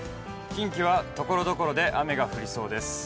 近畿はところどころで雨が降りそうです。